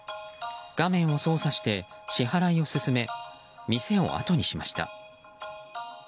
画面を操作して支払いを進め店をあとにしました。